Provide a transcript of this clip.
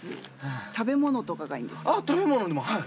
食べ物でもはい。